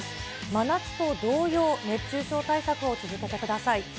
真夏と同様、熱中症対策を続けてください。